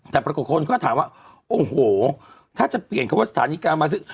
แต่ปรากฏคนก็ถามว่าโอ้โหถ้าจะเปลี่ยนคำว่าสถานีกลางมาซื้อ